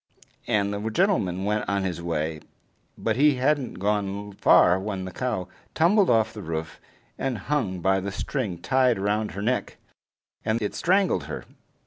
And the gentleman went on his way, but he hadn't gone far when the cow tumbled off the roof, and hung by the string tied round her neck, and it strangled her.